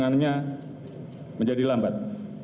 dan penyidikannya menjadi lambat